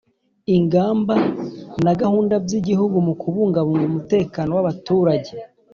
ingamba na gahunda by Igihugu mu kubungabunga umutekano w’abaturage.